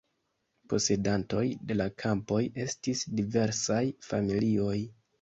Posedantoj de la kampoj estis diversaj familioj.